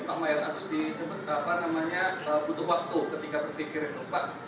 pak mayor agus dijemput butuh waktu ketika berpikir yang tepat